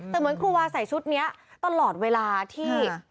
แต่เหมือนครูวาใส่ชุดนี้ตลอดเวลาที่